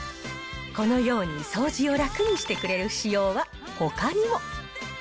このように掃除を楽にしてくれる仕様はほかにも。